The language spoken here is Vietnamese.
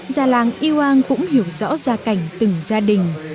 già làng yhoang cũng hiểu rõ ra cảnh từng gia đình